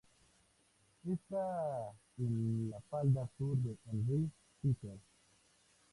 Está en la falda sur del Henri Pittier.